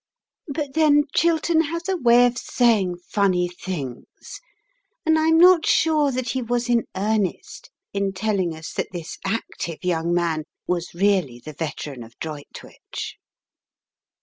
But then Chiltern has a way of saying funny things, and I am not sure that he was in earnest in telling us that this active young man was really the veteran of Droitwich.